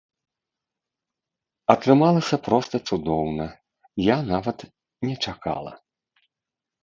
Атрымалася проста цудоўна, я нават не чакала.